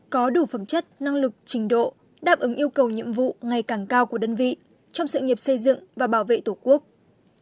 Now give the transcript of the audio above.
có đủ phẩm chất năng lực trình độ đáp ứng yêu cầu nhiệm vụ ngày càng cao của đơn vị trong sự nghiệp xây dựng và bảo vệ tổ quốc